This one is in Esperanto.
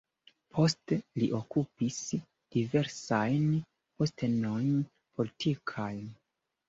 Poste li okupis diversajn postenojn politikajn.